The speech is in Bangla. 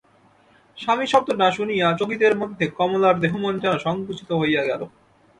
স্বামী শব্দটা শুনিয়া চকিতের মধ্যে কমলার দেহমন যেন সংকুচিত হইয়া গেল।